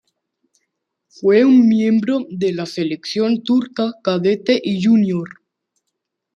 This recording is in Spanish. Fue miembro de la selección turca cadete y júnior.